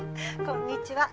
こんにちは。